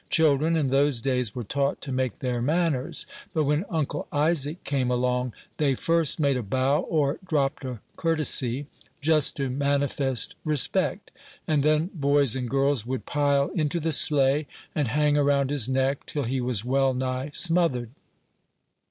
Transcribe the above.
Children, in those days, were taught to make their manners; but when Uncle Isaac came along, they first made a bow, or dropped a courtesy, just to manifest respect; and then boys and girls would pile into the sleigh, and hang around his neck, till he was well nigh smothered.